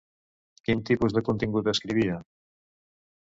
Quin tipus de contingut escrivia?